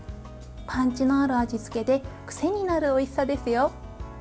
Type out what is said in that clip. パンチのある味付けで癖になるおいしさですよ。